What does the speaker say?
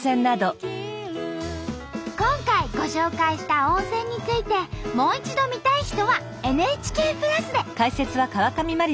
今回ご紹介した温泉についてもう一度見たい人はＮＨＫプラスで。